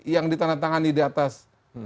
yang ditandatangani di atas